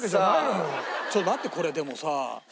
ちょっと待ってこれでもさ。